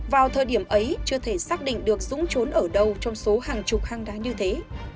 vào thời điểm ấy chưa thể xác định được dũng trốn ở đâu trong số hàng chục hang đá như thế